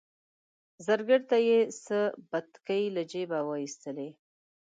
زرګر ته یې څه بتکۍ له جیبه وایستلې.